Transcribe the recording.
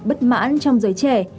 bất mãn trong giới trẻ